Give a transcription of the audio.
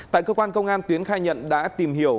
tại cơ quan công an tiến khai nhận đã tìm hiểu